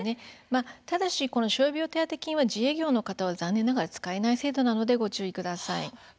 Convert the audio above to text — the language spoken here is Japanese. ただしこの傷病手当金は自営業の方は残念ながら使えない制度なのでご注意ください。